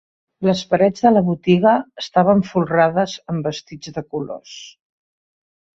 Les parets de la botiga estaven folrades amb vestits de colors.